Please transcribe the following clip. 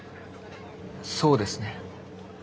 そうですね。